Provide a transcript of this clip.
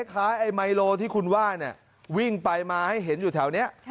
คล้ายไอ้ไมโลที่คุณว่าเนี่ยวิ่งไปมาให้เห็นอยู่แถวนี้